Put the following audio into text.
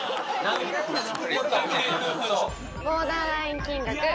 ボーダーライン金額